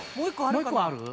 もう１個ある？